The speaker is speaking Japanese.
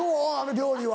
料理は。